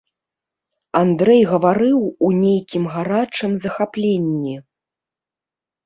Андрэй гаварыў у нейкім гарачым захапленні.